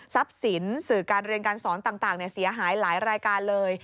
สินสื่อการเรียนการสอนต่างเสียหายหลายรายการเลย